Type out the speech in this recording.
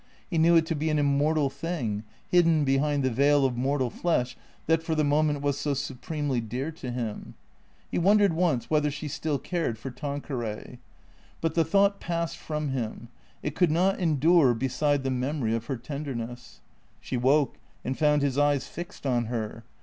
He knew it to be an immor tal thing, hidden behind the veil of mortal flesh that for the moment was so supremely dear to him. He wondered once whether she still cared for Tanqueray. But the thought passed from him; it could not endure beside the memory of her ten derness. She woke and found his eyes fixed on her.